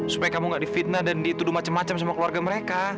supaya kamu gak difitnah dan dituduh macam macam sama keluarga mereka